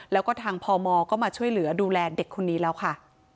แล้วก็ทางพมก็มาช่วยเหลือดูแลเด็กคนนี้แล้วค่ะ